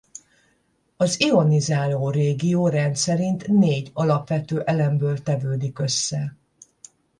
Az ionizáló régió rendszerint négy alapvető elemből tevődik össze.